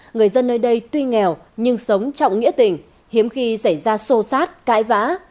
người dân nơi đây tuy nghèo nhưng sống trọng nghĩa tình hiếm khi xảy ra xô xát cãi vã